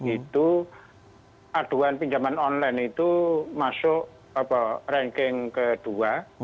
itu aduan pinjaman online itu masuk ranking kedua